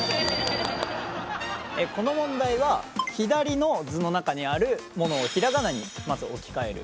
この問題は左の図の中にあるものを平仮名にまず置き換える。